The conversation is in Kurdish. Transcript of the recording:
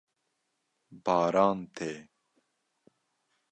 Baran tê.